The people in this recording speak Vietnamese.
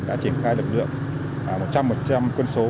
đã triển khai lực lượng một trăm linh một trăm linh quân số